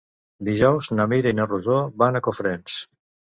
Dijous na Mira i na Rosó van a Cofrents.